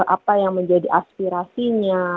apa yang menjadi aspirasinya